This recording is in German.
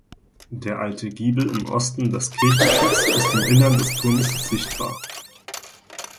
Der alte Giebel im Osten des Kirchenschiffs ist im Innern des Turms sichtbar.